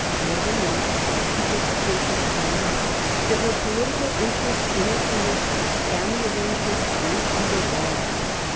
More than once he takes occasion to point out that where political in terests interfered family arrangements went to the wall.